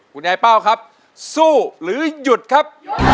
คุณยายเป้าครับสู้หรือยุดครับ